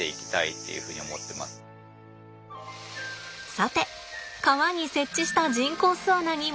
さて川に設置した人工巣穴に戻りましょう。